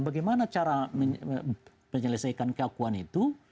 bagaimana cara menyelesaikan keakuan itu